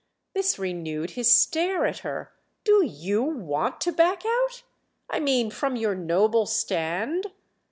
This renewed his stare at her. "Do you want to back out? I mean from your noble stand."